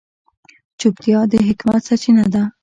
چوپتیا، د حکمت سرچینه ده.